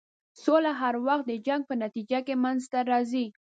سوله هر وخت د جنګ په نتیجه کې منځته راځي.